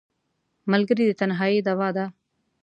ملګری د تنهایۍ دواء ده